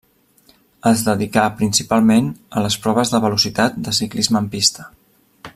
Es dedicà principalment a les proves de velocitat de ciclisme en pista.